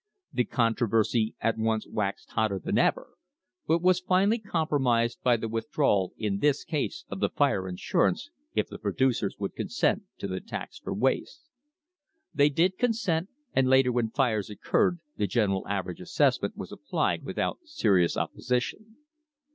The controversy at once waxed hotter than ever, but was finally compromised by the withdrawal in this case of the fire insurance if the producers would consent to the tax for waste. They did consent, and later when fires occurred the general average assessment was applied without serious opposition.